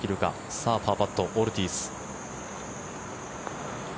さあ、パーパットオルティーズ。